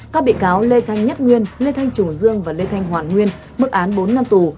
các bị cáo lê thanh nhất nguyên lê thanh trùng dương và lê thanh hoàn nguyên mức án bốn năm tù